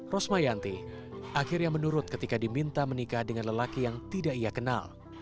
rosmayanti akhirnya menurut ketika diminta menikah dengan lelaki yang tidak ia kenal